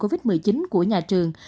covid một mươi chín của nhà trường